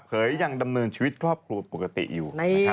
ยังดำเนินชีวิตครอบครัวปกติอยู่